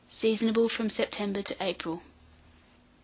Seasonable from September to April.